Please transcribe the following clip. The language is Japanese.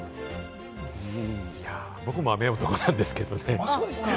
僕も雨男なんですけどね。